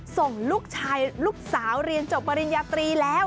ส่งลูกชายลูกสาวเรียนจบปริญญาตรีแล้ว